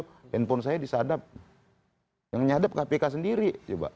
handphone saya disadap yang nyadap kpk sendiri